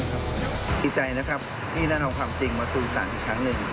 ไปทำความจริงมาสู่ศาลอีกทั้งหนึ่ง